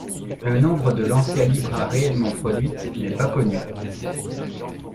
Le nombre de Lancia Lybra réellement produites n'est pas connu.